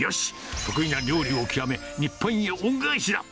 得意な料理を極め、日本へ恩返しだ！